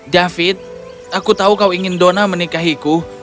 david aku tahu kau ingin dona menikahiku